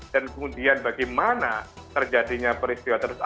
dan kemudian bagaimana terjadinya peristiwa tersebut